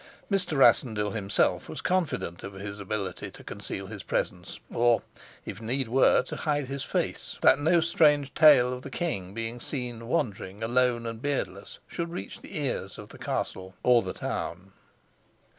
Mr. Rassendyll himself was confident of his ability to conceal his presence, or, if need were, so to hide his face that no strange tale of the king being seen wandering, alone and beardless, should reach the ears of the castle or the town.